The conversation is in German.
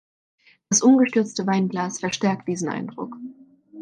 Das umgestürzte Weinglas verstärkt diesen Eindruck.